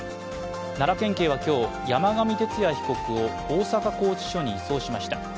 奈良県警は今日、山上徹也被告を大阪拘置所に移送しました。